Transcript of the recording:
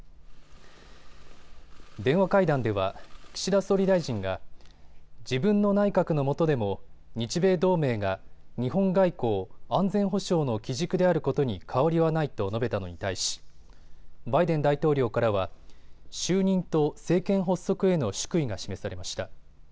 電話会談では岸田総理大臣が自分の内閣のもとでも日米同盟が日本外交・安全保障の基軸であることに変わりはないと述べたのに対し、バイデン大統領からは就任と政権発足への祝意が示されました。